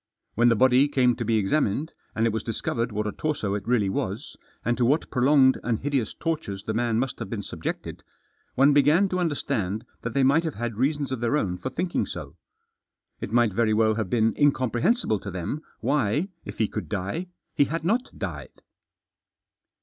When the body came to be examined, and it was discovered what a torso it really was, and to what prolonged and hideous tortures the man must have been subjected, one began to understand that they might have had reasons of their own for thinking so. It might very well have been incomprehensible to them why, if he could die, he hadn't died.